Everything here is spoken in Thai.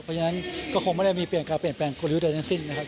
เพราะฉะนั้นก็คงไม่ได้มีเปลี่ยนกลยุทธ์เดิมที่สิ้นนะครับ